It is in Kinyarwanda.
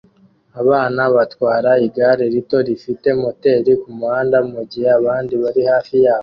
Abana batwara igare rito rifite moteri kumuhanda mugihe abandi bari hafi yabo